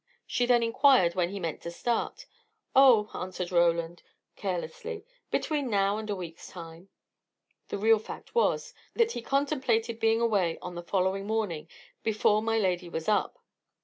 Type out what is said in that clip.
She then inquired when he meant to start. "Oh," answered Roland, carelessly, "between now and a week's time." The real fact was, that he contemplated being away on the following morning, before my lady was up.